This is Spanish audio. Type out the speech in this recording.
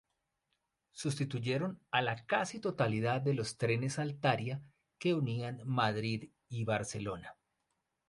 Sustituyeron a la casi totalidad de los trenes Altaria que unían Madrid y Barcelona.